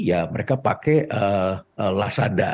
ya mereka pakai lazada